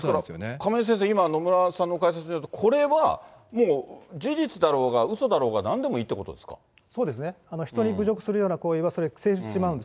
亀井先生、今、野村さんの解説によると、これはもう、事実だろうが、うそだろうがなんでもいそうですね、人に侮辱するようなことはそれ、成立してしまうんです。